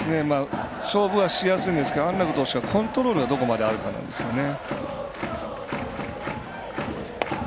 勝負はしやすいんですけど安樂投手がコントロールがどこまであるかですよね。